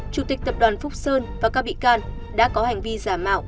chủ tịch tập đoàn phúc sơn và các bị can đã có hành vi giả mạo